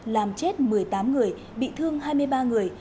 làm chết một mươi tám người bị thương hai mươi ba người